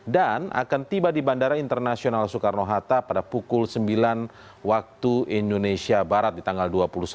dan akan tiba di bandara internasional soekarno hatta pada pukul sembilan waktu indonesia barat di tanggal dua puluh satu